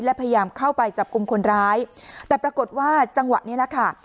และพยายามเข้าไปจับกลุ่มคนร้ายแต่ปรากฏว่าจังหวะนี้แหละค่ะ